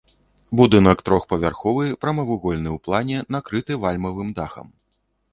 Будынак трохпавярховы, прамавугольны ў плане, накрыты вальмавым дахам.